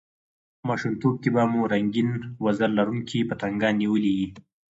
په ماشومتوب کښي به مو رنګین وزر لرونکي پتنګان نیولي يي!